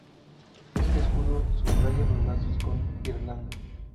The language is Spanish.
Este escudo subraya los lazos con Irlanda.